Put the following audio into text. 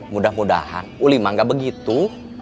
mudah mudahan uli mah gak begitu